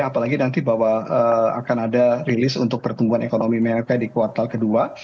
apalagi nanti bahwa akan ada rilis untuk pertumbuhan ekonomi mereka di kuartal kedua